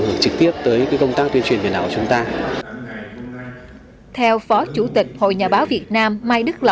môi trường biển để góp phần phát triển bền vững